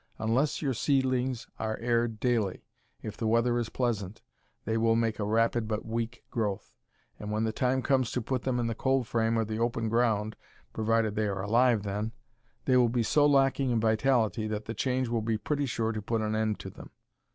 Unless your seedlings are aired daily, if the weather is pleasant, they will make a rapid but weak growth, and when the time comes to put them in the cold frame or the open ground provided they are alive then they will be so lacking in vitality that the change will be pretty sure to put an end to them.